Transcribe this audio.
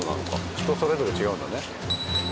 人それぞれ違うんだね。